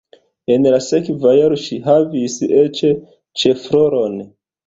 En la sekva jaro ŝi havis eĉ ĉefrolon.